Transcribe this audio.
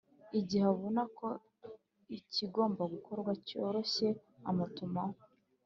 Igihe abona ko ikigomba gukorwa cyoroshye amutumaho